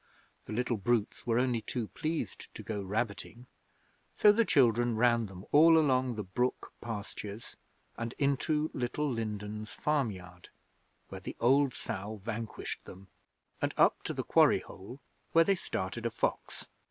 The little brutes were only too pleased to go rabbiting, so the children ran them all along the brook pastures and into Little Lindens farm yard, where the old sow vanquished them and up to the quarry hole, where they started a fox.